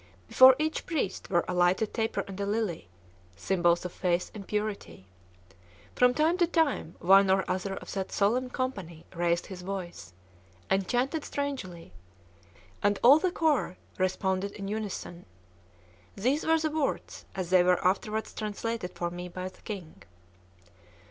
Before each priest were a lighted taper and a lily, symbols of faith and purity. From time to time one or other of that solemn company raised his voice, and chanted strangely; and all the choir responded in unison. These were the words, as they were afterward translated for me by the king.